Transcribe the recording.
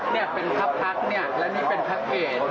เนี่ยเป็นพระพรรคเนี่ยและนี่เป็นพระเกด